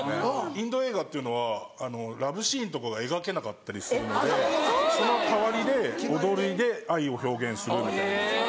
インド映画っていうのはラブシーンとかが描けなかったりするのでその代わりで踊りで愛を表現するみたいな。